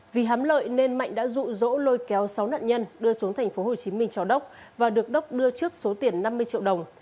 vì hám lợi nên mạnh đã dụ dỗ lôi kéo sáu nạn nhân đưa xuống thành phố hồ chí minh cho đốc và được đốc đưa trước số tiền năm mươi triệu đồng